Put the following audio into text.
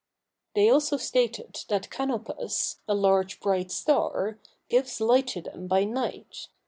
They also stated that Canopus, a large bright star, gives light to them by night.